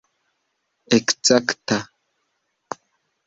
ekzakta